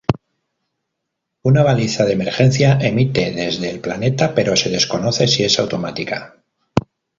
Una baliza de emergencia emite desde el planeta pero se desconoce si es automática.